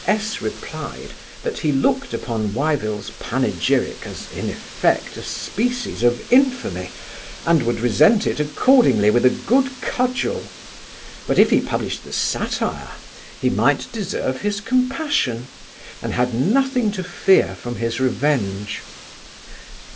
S replied, that he looked upon Wyvil's panegyrick, as in effect, a species of infamy, and would resent it accordingly with a good cudgel; but if he published the satire, he might deserve his compassion, and had nothing to fear from his revenge.